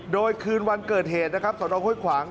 โดยคืนวันเกิดเหตุนะครับสนห้วยขวาง